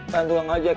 bayar duit ngajak